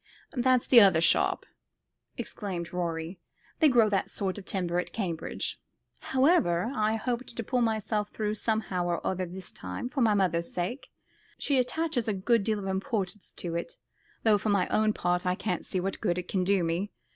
"That's the other shop," exclaimed Rorie; "they grow that sort of timber at Cambridge. However, I hope to pull myself through somehow or other this time, for my mother's sake. She attaches a good deal of importance to it, though for my own part I can't see what good it can do me.